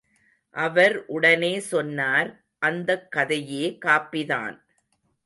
அவர் உடனே சொன்னார் அந்தக் கதையே காப்பிதான்.